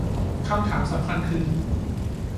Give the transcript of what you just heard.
คำถามสำคัญคือ